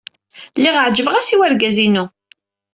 Lliɣ ɛejbeɣ-as i wergaz-inu.